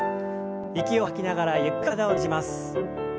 息を吐きながらゆっくりと体をねじります。